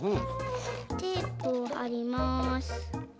テープをはります。